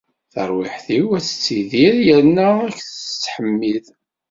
Tarwiḥt-iw ad tidir yerna ad k-tettḥemmid.